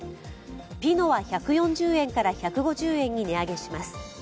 ピノは１４０円から１５０円に値上げします。